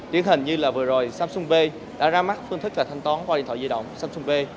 tiến hình như là vừa rồi samsung v đã ra mắt phương thức là thanh toán qua điện thoại di động samsung v